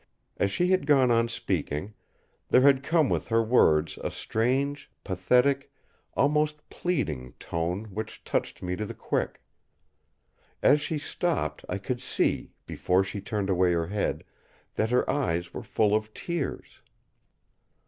As she had gone on speaking there had come with her words a strange pathetic, almost pleading, tone which touched me to the quick. As she stopped, I could see, before she turned away her head, that her eyes were full of tears.